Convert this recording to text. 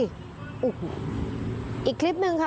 อีกคลิปนึงค่ะ